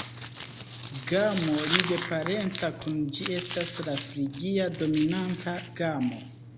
Gamo lige parenca kun ĝi estas la frigia-dominanta gamo.